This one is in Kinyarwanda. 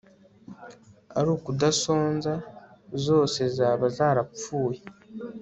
Ari ukudasonza zose zaba zarampfuye